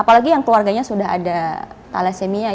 apalagi yang keluarganya sudah ada tala semia